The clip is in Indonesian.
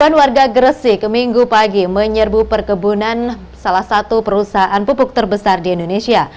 puluhan warga gresik minggu pagi menyerbu perkebunan salah satu perusahaan pupuk terbesar di indonesia